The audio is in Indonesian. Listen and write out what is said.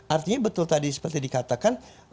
artinya betul tadi seperti dikatakan